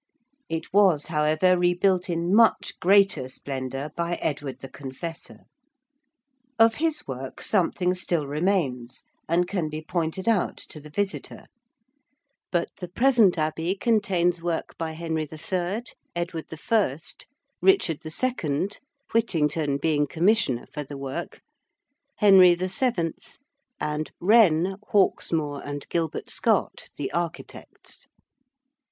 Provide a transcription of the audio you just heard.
It was, however, rebuilt in much greater splendour by Edward the Confessor. Of his work something still remains, and can be pointed out to the visitor. But the present Abbey contains work by Henry III., Edward I., Richard II. Whittington being commissioner for the work Henry VII. and Wren, Hawksmoor and Gilbert Scott the architects.